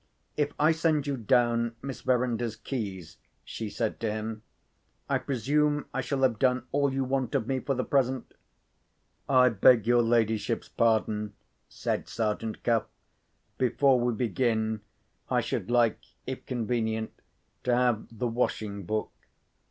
"If I send you down Miss Verinder's keys," she said to him, "I presume I shall have done all you want of me for the present?" "I beg your ladyship's pardon," said Sergeant Cuff. "Before we begin, I should like, if convenient, to have the washing book.